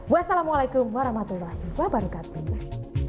wassalamualaikum warahmatullahi wabarakatuh